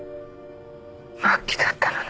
末期だったのね。